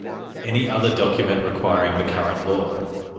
Any other document requiring the current law.